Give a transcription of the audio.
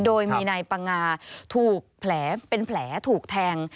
โดยมีนายปะงาถูกแผลเป็นแผลถูกแทง